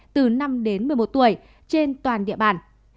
từ năm đến một mươi một tuổi trên toàn địa bàn